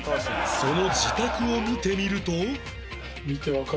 その自宅を見てみると